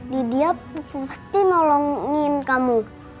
di diap pasti nolongin kamu